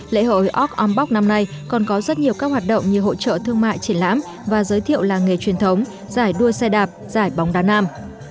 lễ hội org ombox năm nay còn có rất nhiều các hoạt động như hỗ trợ thương mại triển lãm và giới thiệu làng nghề truyền thống giải đua xe đạp giải bóng đá nam